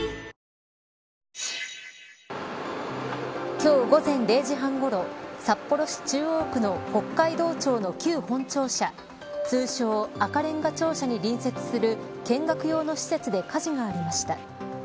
今日午前０時半ごろ札幌市中央区の北海道庁の旧本庁舎通称赤れんが庁舎に隣接する見学用の施設で火事がありました。